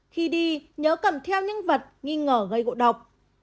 khi đi nhớ cầm theo những vật nghi ngờ gây gỗ độc